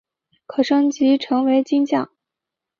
可升级成为金将。